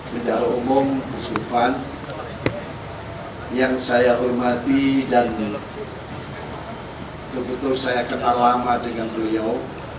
bendara umum silvan yang saya hormati dan kebetulan saya kenal lama dengan beliau